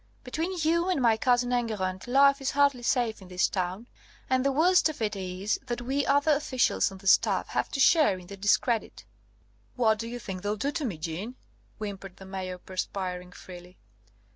Between you and my cousin Enguerrand, life is hardly safe in this town. And the worst of it is, that we other officials on the staff have to share in the discredit." "What do you think they'll do to me, Jeanne?" whimpered the Mayor, perspiring freely.